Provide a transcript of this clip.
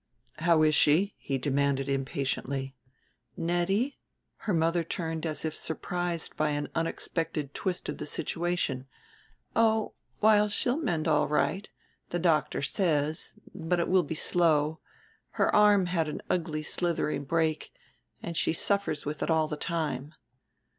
"How is she?" he demanded impatiently. "Nettie?" her mother turned as if surprised by an unexpected twist of the situation. "Oh, why she'll mend all right, the doctor says; but it will be slow. Her arm had an ugly slithering break, and she suffers with it all the time."